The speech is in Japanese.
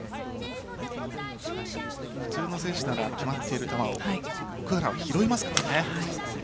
普通の選手なら決まっている球を奥原は拾いますからね。